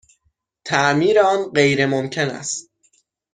تعمیر آن غیرممکن است.